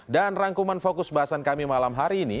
dan rangkuman fokus bahasan kami malam hari ini